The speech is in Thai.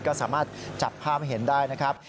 ก็สามารถจับภาพให้เห็นได้นะครับ